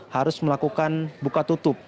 harus melakukan buka tutup